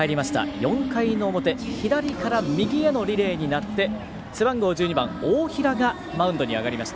４回の表、左から右へのリレーになって背番号１２番、大平がマウンドに上がりました。